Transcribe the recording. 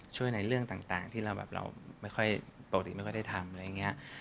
ช่วยในเรื่องต่างที่ปกติไม่ค่อยได้ทำ